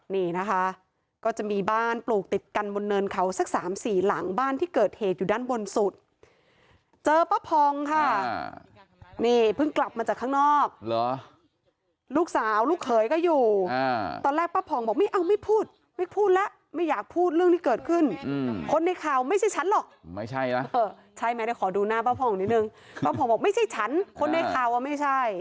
หน้าป้าพ่องนิดนึงป้าพ่องบอกไม่ใช่ฉันคนในข่าวว่าไม่ใช่